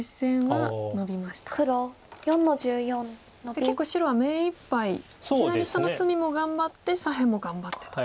じゃあ結構白は目いっぱい左下の隅も頑張って左辺も頑張ってと。